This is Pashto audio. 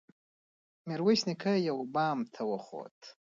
ميرويس نيکه يوه بام ته وخوت.